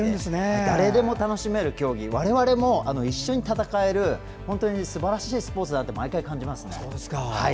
誰でも楽しめる競技我々も一緒に戦える、すばらしいスポーツだなって毎回感じます。